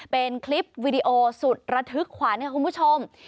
เป็นคลิปวีดีโอสุดระทึกขวัญค่ะคุณผู้ชม